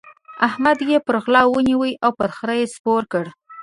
احمد يې پر غلا ونيو او پر خره يې سپور کړ.